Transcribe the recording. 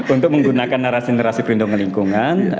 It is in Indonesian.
untuk menggunakan narasi narasi perlindungan lingkungan